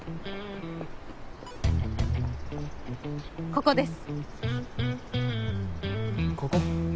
ここですここ？